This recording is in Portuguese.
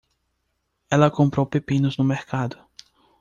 Ela comprou pepinos no mercado.